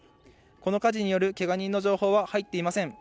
この火事によるけが人の情報は入っていません。